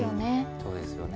そうですよね。